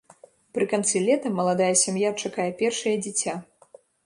Пры канцы лета маладая сям'я чакае першае дзіця.